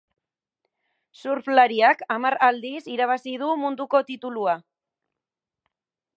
Surflariak hamar aldiz irabazi du munduko titulua.